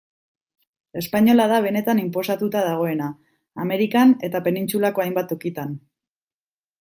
Espainola da benetan inposatuta dagoena, Amerikan eta penintsulako hainbat tokitan.